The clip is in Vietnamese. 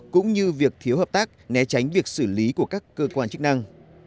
cũng như việc thiếu hợp tác né tránh việc xử lý của các cơ quan chức năng